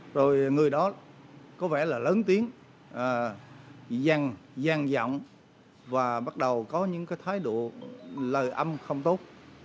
rồi người đó có vẻ là lớn tiếng dân gian dọng và bắt đầu có những cái thái độ lời âm không tốt